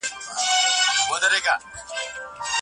د بریا حق یوازي مستحقو ته نه سي سپارل کېدلای.